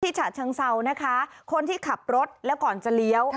ที่ชาดชั้งเศร้านะคะคนที่ขับรถแล้วก่อนจะเลี่ยว